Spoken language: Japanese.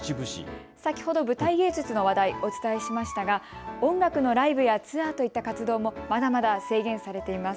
先ほど舞台芸術の話題お伝えしましたが音楽のライブやツアーといった活動もまだまだ制限されています。